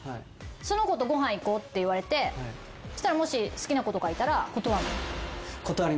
その子とご飯行こうって言われてもし好きな子とかいたら断る？